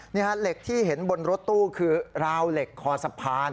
เหล็กที่เห็นบนรถตู้คือราวเหล็กคอสะพาน